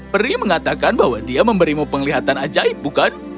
peri mengatakan bahwa dia memberimu penglihatan ajaib bukan